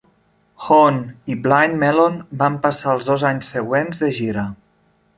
Hoon i Blind Melon van passar els dos anys següents de gira.